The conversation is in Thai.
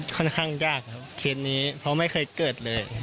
ค่อนข้างยากครับเคสนี้เพราะไม่เคยเกิดเลย